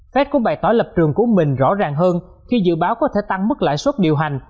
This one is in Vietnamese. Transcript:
fed cũng bày tỏ lập trường của mình rõ ràng hơn khi dự báo có thể tăng mức lãi suất điều hành